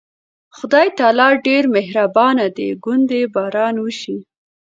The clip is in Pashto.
خدای تعالی ډېر مهربانه دی، ګوندې باران وشي.